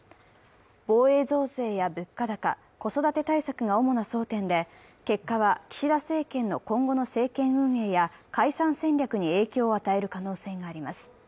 防衛増税や物価高、子育て対策が主な争点で結果は岸田政権の今後の政権運営や解散戦略に影響を与える可能性があります。